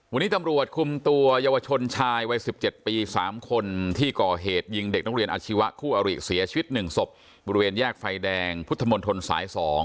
วันนี้ตำรวจคุมตัวเยาวชนชายวัย๑๗ปี๓คนที่ก่อเหตุยิงเด็กนักเรียนอาชีวะคู่อริเสียชีวิต๑ศพบริเวณแยกไฟแดงพุทธมนตรสาย๒